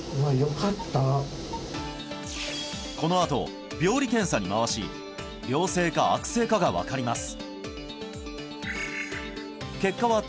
このあと病理検査に回し良性か悪性かが分かります